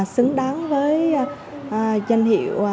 xứng đáng với danh hiệu